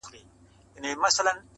چي مو د پېغلو سره سم ګودر په کاڼو ولي.!